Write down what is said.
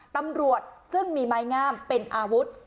ตำรวจซึ่งมีไม้งามเป็นอาวุธ